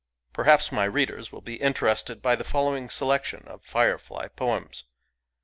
Perhaps my readers will be interested by the following selection of firefly poems.